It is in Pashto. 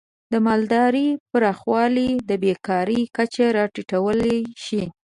د مالدارۍ پراخوالی د بیکاری کچه راټیټولی شي.